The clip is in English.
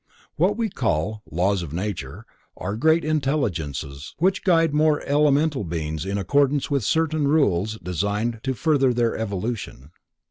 What we call "laws of nature," are great intelligences which guide more elemental beings in accordance with certain rules designed to further their evolution.